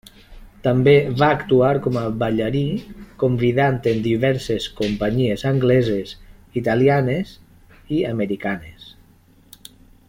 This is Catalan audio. També va actuar com a ballarí convidat en diverses companyies angleses, italianes i americanes.